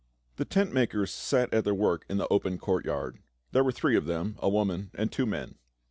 THE tent makers sat at their work in the open court yard. There were three of them, a woman and two men.